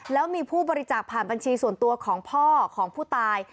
แล้วมีผู้บริจาคผ่านบัญชีส่วนตัวของพ่อของผู้ตาย